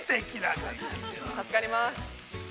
◆助かります。